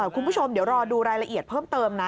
คุณผู้ชมเดี๋ยวรอดูรายละเอียดเพิ่มเติมนะ